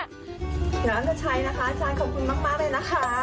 แล้วเช้าจะใช้หน้าคะท่านขอบคุณมากแล้วนะคะ